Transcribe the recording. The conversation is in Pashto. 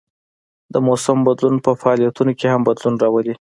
د موسم بدلون په فعالیتونو کې هم بدلون راولي